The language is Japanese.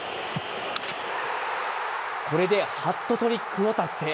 これでハットトリックを達成。